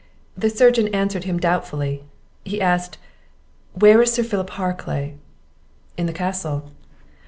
The surgeon answered him doubtfully. He asked "Where is Sir Philip Harclay?" "In the castle."